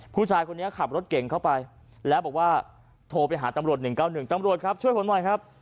ผู้ชายคนนี้ขับรถเก่งเข้าไปแล้วบอกว่าโทรไปหาตำรวจ๑๙๑ตำรวจครับช่วยผมหน่อยครับ